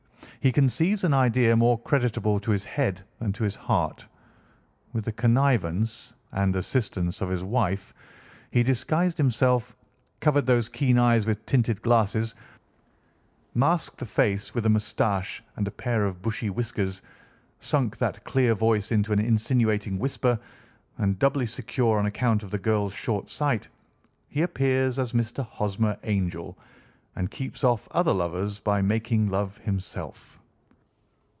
He conceives an idea more creditable to his head than to his heart. With the connivance and assistance of his wife he disguised himself, covered those keen eyes with tinted glasses, masked the face with a moustache and a pair of bushy whiskers, sunk that clear voice into an insinuating whisper, and doubly secure on account of the girl's short sight, he appears as Mr. Hosmer Angel, and keeps off other lovers by making love himself."